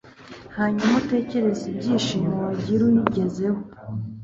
hanyuma utekereze ibyishimo wagira uyigezeho